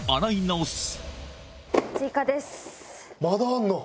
まだあんの？